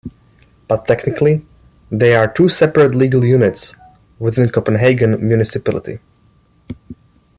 But technically they are two separate legal units within Copenhagen municipality.